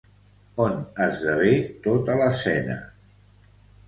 On esdevé tota l'escena?